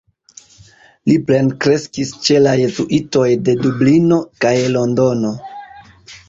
Li plenkreskis ĉe la jezuitoj de Dublino kaj Londono.